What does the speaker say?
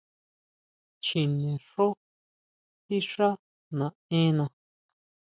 Chinexjó sixá naʼenna.